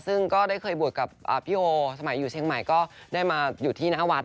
ซึ่งก็ได้เคยบวชกับพี่โอสมัยอยู่เชียงใหม่ก็ได้มาอยู่ที่หน้าวัด